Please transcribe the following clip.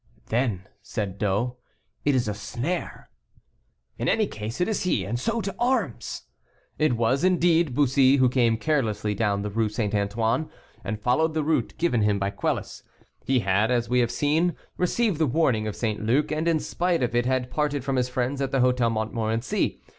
"Then," said D'O, "it is a snare." "In any case, it is he; and so to arms!" It was, indeed, Bussy, who came carelessly down the Rue St. Antoine, and followed the route given him by Quelus; he had, as we have seen, received the warning of St. Luc, and, in spite of it, had parted from his friends at the Hôtel Montmorency.